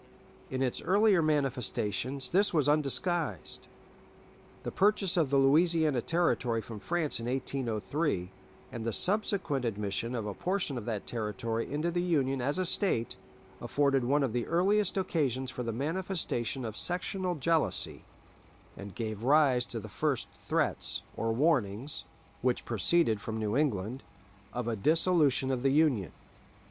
In its earlier manifestations this was undisguised. The purchase of the Louisiana Territory from France in 1803, and the subsequent admission of a portion of that Territory into the Union as a State, afforded one of the earliest occasions for the manifestation of sectional jealousy, and gave rise to the first threats, or warnings (which proceeded from New England), of a dissolution of the Union.